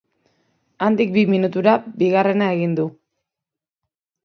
Handik bi minutura, bigarrena egin du.